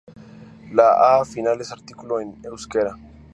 La "a" final es artículo en euskera.